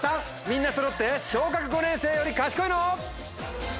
みんなそろって小学５年生より賢いの？